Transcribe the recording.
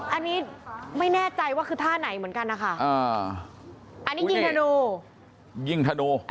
อันนี้ไม่แน่ใจว่าคือท่าไหนเหมือนกันนะคะอันนี้ยิ่งธนูยิงธนู